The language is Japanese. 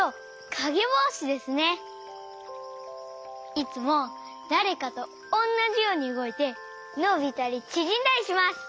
いつもだれかとおんなじようにうごいてのびたりちぢんだりします！